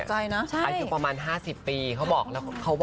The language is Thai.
อายุประมาณ๕๐ปีเขาบอกแล้ว